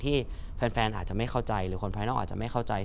ที่แฟนอาจจะไม่เข้าใจหรือคนภายนอกอาจจะไม่เข้าใจ